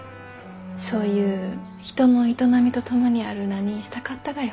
そういう人の営みと共にある名にしたかったがよ。